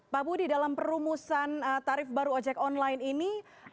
pak budi dalam perumusan tarif baru ojek online ini